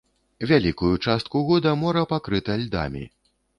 Вялікую частку года мора пакрыта льдамі.